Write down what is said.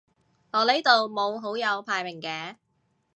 我呢度冇好友排名嘅